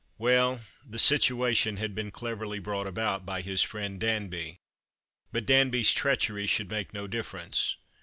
Well, the situation had been cleverly brought about by his friend Danby ; but Danby's treachery should make no difference.